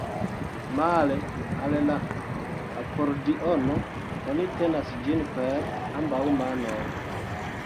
Male al la akordiono oni tenas ĝin per ambaŭ manoj.